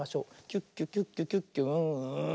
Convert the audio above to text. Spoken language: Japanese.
キュッキュキュッキュキュッキュウーン！